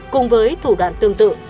cùng với thủ đoạn tương tự